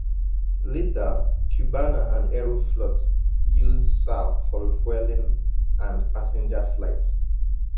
Later, Cubana and Aeroflot used Sal for refueling and passenger flights.